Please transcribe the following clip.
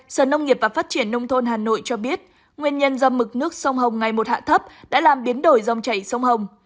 sở nông nghiệp và phát triển nông thôn hà nội cho biết nguyên nhân do mực nước sông hồng ngày một hạ thấp đã làm biến đổi dòng chảy sông hồng